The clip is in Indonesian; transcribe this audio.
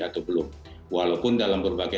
atau belum walaupun dalam berbagai